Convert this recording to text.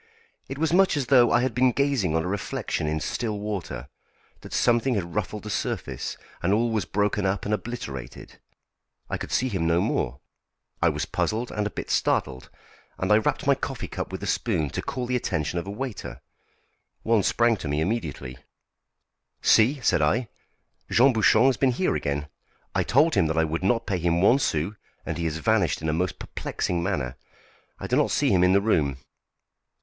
It was much as though I had been gazing on a reflection in still water; that something had ruffled the surface, and all was broken up and obliterated. I could see him no more. I was puzzled and a bit startled, and I rapped my coffee cup with the spoon to call the attention of a waiter. One sprang to me immediately. "See!" said I, "Jean Bouchon has been here again; I told him that I would not pay him one sou, and he has vanished in a most perplexing manner. I do not see him in the room."